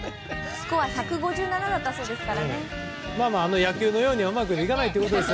スコアは１５７だったそうです。